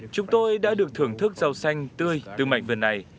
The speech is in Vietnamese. chúng tôi đã được thưởng thức rau xanh tươi từ mảnh vườn này